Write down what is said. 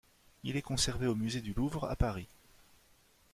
Il est conservé au musée du Louvre à Paris.